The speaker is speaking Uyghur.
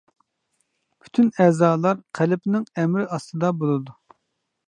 پۈتۈن ئەزالار قەلبنىڭ ئەمرى ئاستىدا بولىدۇ.